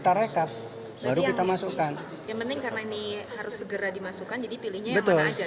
terburu buru pak ya